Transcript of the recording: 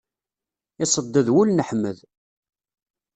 Iṣedded wul n Ḥmed.